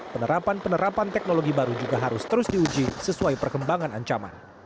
penerapan penerapan teknologi baru juga harus terus diuji sesuai perkembangan ancaman